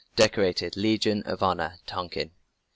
Decorated, Legion of Honor, Tonkin.